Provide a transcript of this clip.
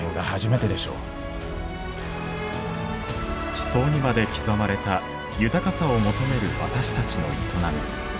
地層にまで刻まれた豊かさを求める私たちの営み。